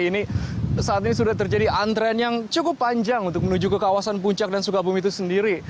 ini saat ini sudah terjadi antrean yang cukup panjang untuk menuju ke kawasan puncak dan sukabumi itu sendiri